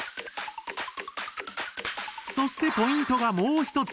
そしてポイントがもう一つ。